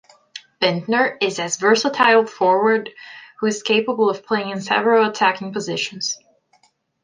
Bendtner is as versatile forward who is capable of playing in several attacking positions.